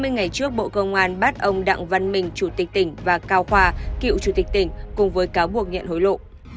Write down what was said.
hai mươi ngày trước bộ công an bắt ông đặng văn mình chủ tịch tỉnh và cao khoa cựu chủ tịch tỉnh cùng với cáo buộc nhận hối lộ